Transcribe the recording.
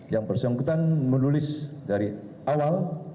yang bersangkutan menulis dari awal